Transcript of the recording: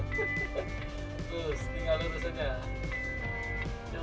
terus tinggal lurus aja